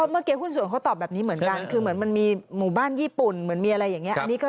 เมื่อกี้หุ้นส่วนเขาตอบแบบนี้เหมือนกันคือเหมือนมันมีหมู่บ้านญี่ปุ่นเหมือนมีอะไรอย่างนี้